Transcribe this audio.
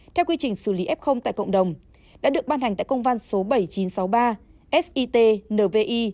theo quy trình xử lý f tại cộng đồng đã được ban hành tại công văn số bảy nghìn chín trăm sáu mươi ba sit nvi